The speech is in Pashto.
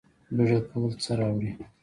بیړه کول څه راوړي؟